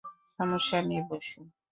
সমস্যা নেই, বসুন।